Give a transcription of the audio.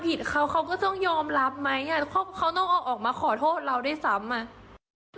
ที่เคยระบายความในจางให้คุณแม่ฟังนะฮะเดี๋ยวดูนะครับสมมุติครับ